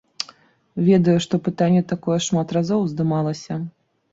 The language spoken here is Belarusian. Ведаю, што пытанне такое шмат разоў уздымалася.